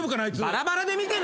バラバラで見てんのか！